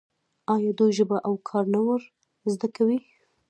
آیا دوی ژبه او کار نه ور زده کوي؟